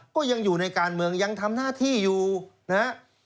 ก็ยังอยู่ในการเมืองยังทำหน้าที่อยู่นะฮะ